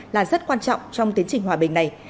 là rất quan trọng trong tiến trình hòa bình này